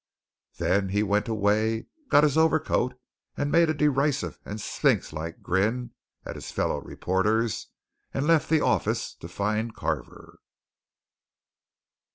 Then he went away, got his overcoat, made a derisive and sphinx like grin at his fellow reporters, and left the office to find Carver.